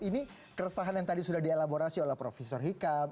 ini keresahan yang tadi sudah dielaborasi oleh prof hikam